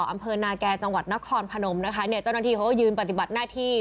อำเภอนาแก่จังหวัดนครพนมนะคะเนี่ยเจ้าหน้าที่เขาก็ยืนปฏิบัติหน้าที่